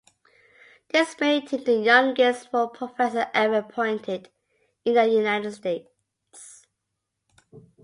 This made him the youngest full professor ever appointed in the United States.